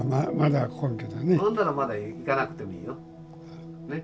ほんならまだ逝かなくていいよ。ね？